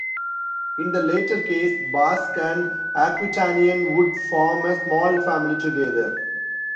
In the latter case, Basque and Aquitanian would form a small family together.